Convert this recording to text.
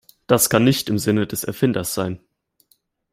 Das kann nicht im Sinne des Erfinders sein.